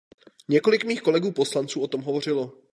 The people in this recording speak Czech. Několik mých kolegů poslanců o tom hovořilo.